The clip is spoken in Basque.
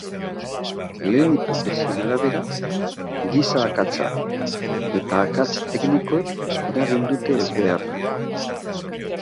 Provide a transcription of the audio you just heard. Lehen hipotesien arabera, giza akatsak eta akats teknikoek eragin dute ezbeharra.